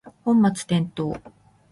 本末転倒